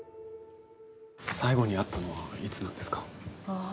最後に会ったのはいつなんですか？